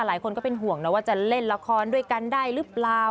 หลายคนก็เป็นห่วงนะว่าจะเล่นละครด้วยกันได้หรือเปล่า